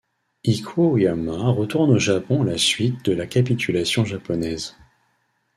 Ikuo Oyama retourne au Japon à la suite de la capitulation japonaise.